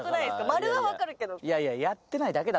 丸は分かるけど。